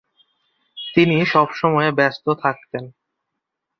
তিনি সবসময় ব্যস্ত থাকতেন।